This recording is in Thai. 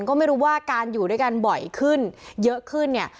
ก็ไม่รู้ว่าการอยู่ด้วยกันบ่อยขึ้นเยอะขึ้นเนี่ย